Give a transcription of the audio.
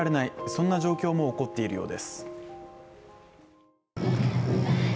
そんな状況も起こっているようです。